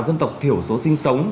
dân tộc thiểu số sinh sống